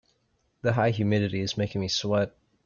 The high humidity is making me sweat.